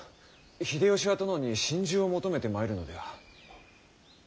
秀吉は殿に臣従を求めてまいるのでは？